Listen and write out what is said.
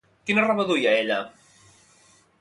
Quina roba duia ella?